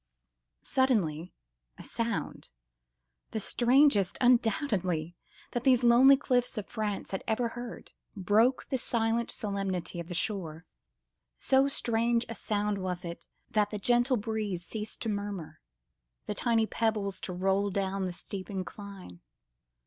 Suddenly ... a sound ... the strangest, undoubtedly, that these lonely cliffs of France had ever heard, broke the silent solemnity of the shore. So strange a sound was it that the gentle breeze ceased to murmur, the tiny pebbles to roll down the steep incline!